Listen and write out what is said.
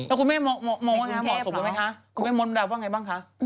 แล้วคุณแม่มอดสุดไหมคะคุณแม่มอดแบบว่าอย่างไรบ้างคะ